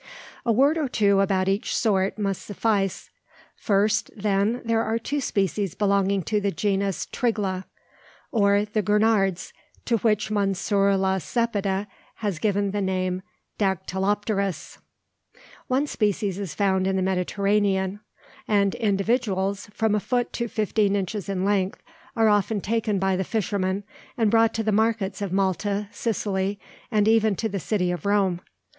A word or two about each sort must suffice. First, then, there are two species belonging to the genus Trigla, or the Gurnards, to which Monsieur La Cepede has given the name of Dactylopterus. One species is found in the Mediterranean, and individuals, from a foot to fifteen inches in length, are often taken by the fishermen, and brought to the markets of Malta, Sicily, and even to the city of Rome.